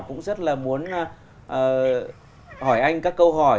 cũng rất là muốn hỏi anh các câu hỏi